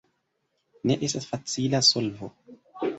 Ne estas facila solvo.